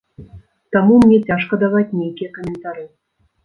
Таму мне цяжка даваць нейкія каментары.